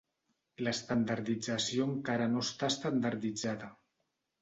L'estandardització encara no està estandarditzada.